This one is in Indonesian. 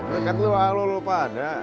bukan itu lalu lalu pada